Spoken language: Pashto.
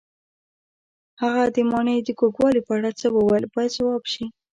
هغه د ماڼۍ د کوږوالي په اړه څه وویل باید ځواب شي.